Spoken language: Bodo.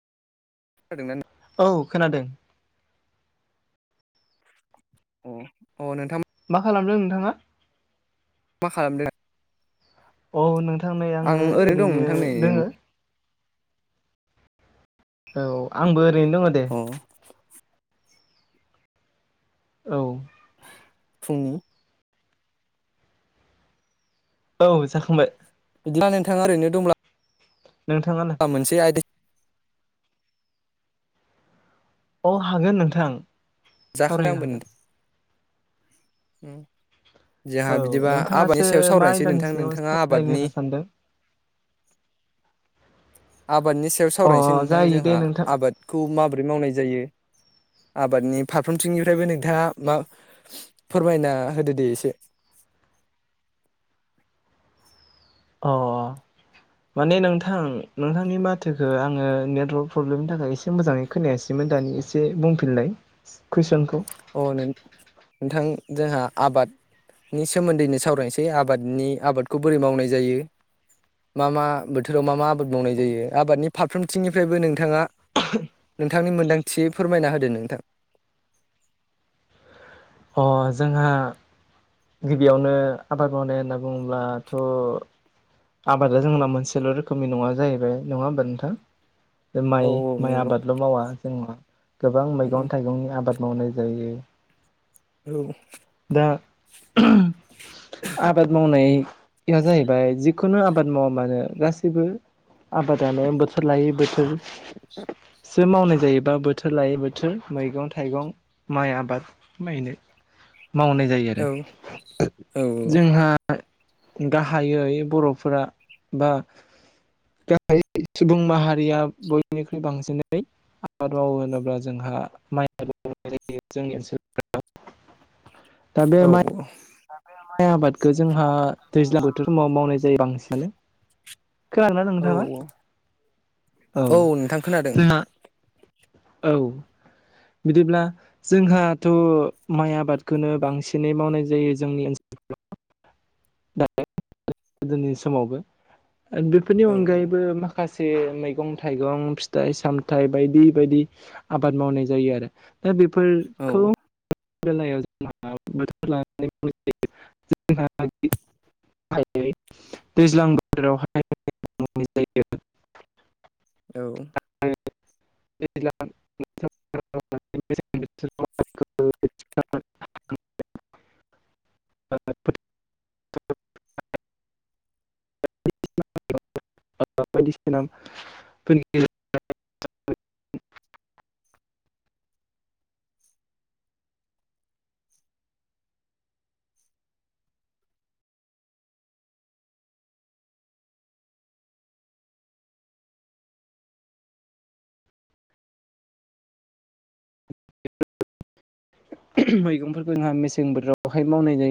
[unintelligible] औ खोनादों। अ अ नोंथां मा खालामदों नोंथाङा? मा खालामदोंं। औ नोंथांनै आङो आं दं ओरैनो नोंथां नै दोङो औ आंबो ओरैनो दङ दे औ औ। फुंनि औ जाखांबाय बिदिब्ला नोंथा ओरैनो दंब्ला नोंथाङा मोनसे आयद अ हागोन नोंथां। [unintelligible] सावरायनो हागोन जोंहा औ बिदिबा आबादनि नोंथाङासो सायाव मा सावरायनोसै आयदानि नोंथां सायाव नोंथाङा आबादनि सावरायलायनो सानदों आबादनि सायाव अ सावरायनोसै नोंथां जायो दे जोंहा नोंथां आबाद खौ माबोरै मावनाय जायो आबादनि फारफ्रोमथिंनिफ्रायबो नोंथाङा मा फोरमायना होदो दे एसे। अ माने नोंथां नोंथांनि माथोखौ आङो नेटवर्क प्रब्लेम नि थाखाय एसे मोजाङै खोनायासैमोन दानि एसे बुंफिनलाय कुइसनखौ? अ नों नोंथां जोंहा आबाद नि सोमोन्दैनो सावरायनोसै आबादनि आबादखौ बोरै मावनाय जायो। मा मा बोथोराव मा मा आबाद मावनाय जायो आबादनि फारफ्रोमथिंनिफ्रायबो नोंथाङा [inaudible] नोंथांनि मोनदांथि फोरमायना होदो नोंथां। अ जोंहा गिबियावनो आबाद मावनाय होनना बुङोब्लाथ' आबादा जोंना मोनसेल' रोखोमनि नङा जाहैबाय नङा होमबा नोंथां? बे औ माइ माइ नंगौ आबादल' मावा जोंहा गोबां उम मैगं थाइगंनि आबाद मावनाय जायो‌। औ दा आबाद मावनाया जाहैबाय जिखुनु आब बाद मावा मानो गासैबो आबादानो बोथोर लायै बोथोर सो मावनाय जायो बा बोथोर लायै बोथोर मैगं थाइगं माइ आबाद मायनाय मावनाय जायो आरो औ जोंहा गाहायै बर'फोरा बा गाहाइ सुबुं माहारिया बयनिख्रुइ बांसिनै आबाद मावो होनोब्ला जोंहा माइ आबाद मावनाय जोंनि ओनसोलाव। दा बे औ माइ आबादखौ जोंहा दैज्लां बोथोर समाव मावनाय जायो बांसिन। खोनादोंना औ नोंथाङा? औ औ नोंथां खोनादों जोंहा औ बिदिब्ला जोंहाथ' माइ आबादखौनो बांसिनै मावनाय जायो जोंनि ओनसोलफ्राव। [inaudible] गोदोनि समावबो बेफोरनि औ अनगायैबो माख माखासे मैगं थाइगं फिथाइ सामथाइ बायदि बायदि आबाद मावनाय जायो आरो दा औ बेफोरखौ बेलायाव जोंहा बोथोर [inaudible] गाहायै दैज्लां बोथोरावहाय [inaudible] औ [inaudible] [inaudible] [inaudible] [inaudible] बायदिसिनाफोरनि गेजेर मैगंफोरखौ जोंहा मेसें बोथोरावहाय मावनाय जायो।